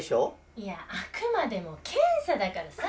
いやあくまでも検査だからさ。